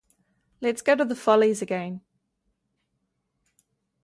Let's go to the Follies again.